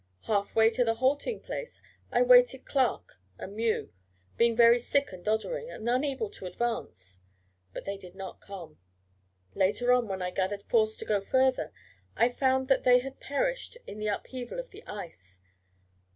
Half way to the halting place, I waited Clark and Mew, being very sick and doddering, and unable to advance. But they did not come. Later on, when I gathered force to go further, I found that they had perished in the upheaval of the ice.